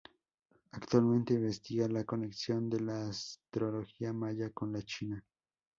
Actualmente investiga la conexión de la astrología maya con la china.